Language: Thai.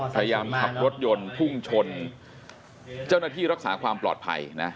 พยายามขับรถยนต์พุ่งชนเจ้าหน้าที่รักษาความปลอดภัยนะ